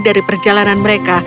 dari perjalanan mereka